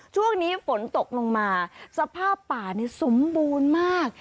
ช่วงนี้ฝนตกลงมาสภาพป่าสมบูรณ์มาก